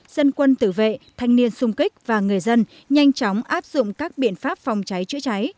dân quân tử vệ thanh niên sung kích và người dân nhanh chóng áp dụng các biện pháp phòng cháy chữa cháy